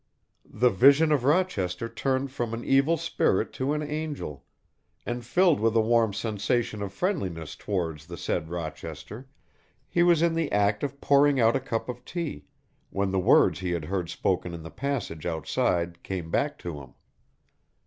The vision of Rochester turned from an evil spirit to an angel, and filled with a warm sensation of friendliness towards the said Rochester he was in the act of pouring out a cup of tea, when the words he had heard spoken in the passage outside came back to him.